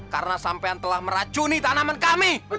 karena sampean telah meracuni tanaman kami